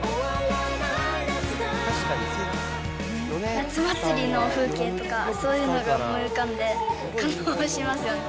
夏祭りの風景とか、そういうのが思い浮かんで、感動しますよね。